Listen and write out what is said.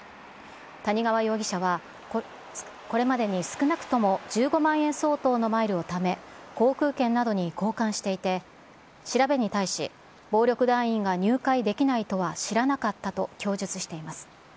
谷川容疑者は、これまでに少なくとも１５万円相当のマイルをため、航空券などに交換していて、調べに対し、暴力団員が入会できないとは知らなかったと供述しています。